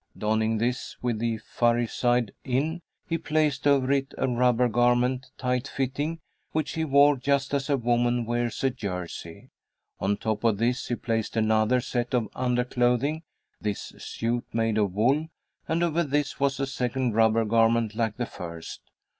Donning this with the furry side in, he placed over it a rubber garment, tightfitting, which he wore just as a woman wears a jersey. On top of this he placed another set of under clothing, this suit made of wool, and over this was a second rubber garment like the first.